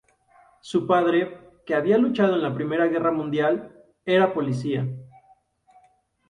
Su padre, que había luchado en la Primera Guerra Mundial, era policía.